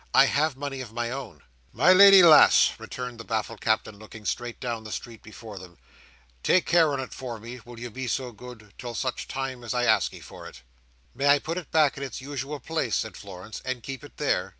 I have money of my own." "My lady lass," returned the baffled Captain, looking straight down the street before them, "take care on it for me, will you be so good, till such time as I ask ye for it?" "May I put it back in its usual place," said Florence, "and keep it there?"